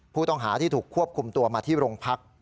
ผู้ต้องหาที่ถูกควบคุมตัวมาที่โรงพัก